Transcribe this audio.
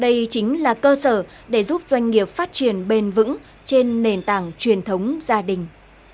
đây chính là cơ sở để giúp doanh nghiệp phát triển bền vững trên nền tảng truyền thống gia đình